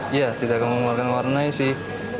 iya tidak akan mengeluarkan warnanya sih